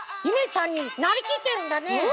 ゆめちゃんになりきってるんだね。